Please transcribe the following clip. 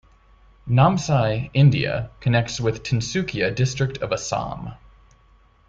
Namsai, India connects with Tinsukia district of Assam.